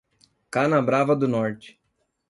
Canabrava do Norte